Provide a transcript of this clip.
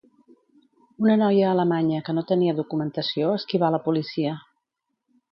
Una noia alemanya que no tenia documentació esquivà la policia